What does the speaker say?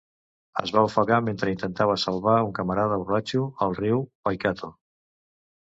Es va ofegar mentre intentava salvar un camarada borratxo al riu Waikato.